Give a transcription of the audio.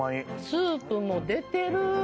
スープも出てる！